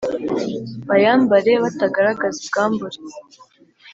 bayambare batagaragaza ubwambure